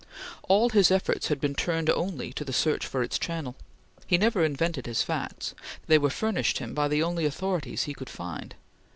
All his efforts had been turned only to the search for its channel. He never invented his facts; they were furnished him by the only authorities he could find.